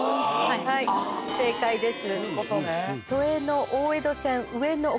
はい正解です。